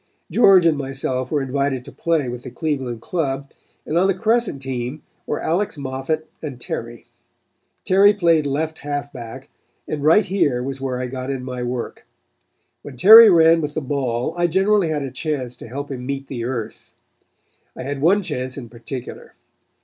George and myself were invited to play with the Cleveland club, and on the Crescent team were Alex Moffat and Terry. Terry played left halfback, and right here was where I got in my work. When Terry ran with the ball I generally had a chance to help him meet the earth. I had one chance in particular.